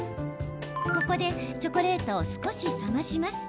ここでチョコレートを少し冷まします。